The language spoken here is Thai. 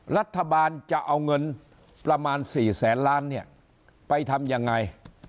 รัฐบาลจะเอาเงินประมาณ๔แสนล้านเนี่ยไปทำยังไง